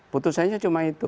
putusannya cuma itu